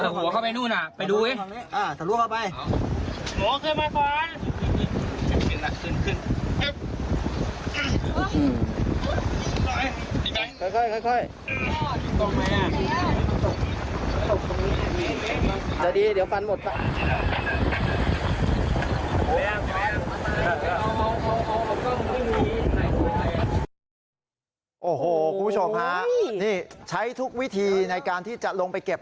โอ้โหคุณผู้ชมฮะนี่ใช้ทุกวิธีในการที่จะลงไปเก็บ